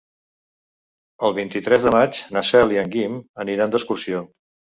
El vint-i-tres de maig na Cel i en Guim aniran d'excursió.